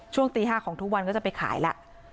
ช่วงตีห้าของทุกวันก็จะไปขายแล้ว